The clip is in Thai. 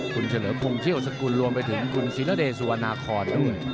คุณเฉลือคุงเชี่ยวสกุลรวมไปถึงคุณศิลดิสวนาคอร์ด